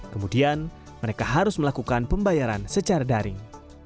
kemudian mereka harus melakukan pembayaran secara daring